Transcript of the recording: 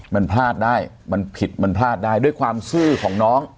มันพลาดได้มันผิดมันพลาดได้ด้วยความซื่อของน้อง